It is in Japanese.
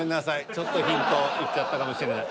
ちょっとヒント言っちゃったかもしれない。